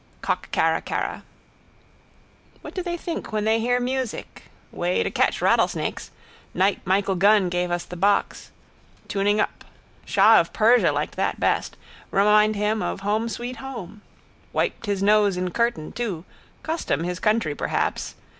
Cockcarracarra. What do they think when they hear music? Way to catch rattlesnakes. Night Michael Gunn gave us the box. Tuning up. Shah of Persia liked that best. Remind him of home sweet home. Wiped his nose in curtain too. Custom his country perhaps.